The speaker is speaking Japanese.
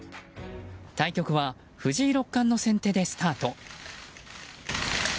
対局は藤井六冠の先手でスタート。